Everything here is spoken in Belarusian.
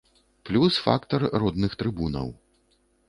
Плюс фактар родных трыбунаў.